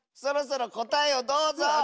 そろそろこたえをどうぞ！